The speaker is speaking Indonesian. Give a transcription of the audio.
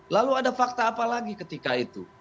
lalu ada fakta apa lagi ketika itu